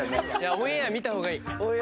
オンエア見た方がいい。